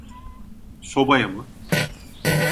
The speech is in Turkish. Sobaya mı?